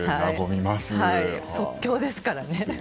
即興ですからね。